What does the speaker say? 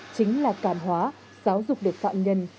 chính là cảm hóa giáo dục được phạm nhân